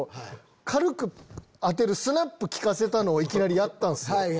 軽く当てるスナップ利かせたのいきなりやったんすよ。